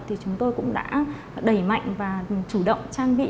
thì chúng tôi cũng đã đẩy mạnh và chủ động trang bị